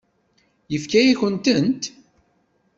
Yefka-yakent-tent?